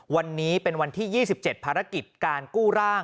วันนี้เป็นวันที่๒๗ภารกิจการกู้ร่าง